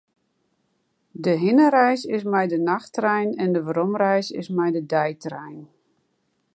De hinnereis is mei de nachttrein en de weromreis mei de deitrein.